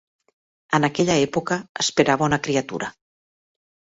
En aquella època esperava una criatura